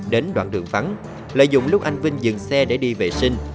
đến đoạn đường vắng lợi dụng lúc anh vinh dừng xe để đi vệ sinh